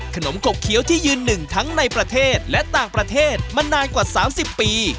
ขมกบเคี้ยวที่ยืนหนึ่งทั้งในประเทศและต่างประเทศมานานกว่า๓๐ปี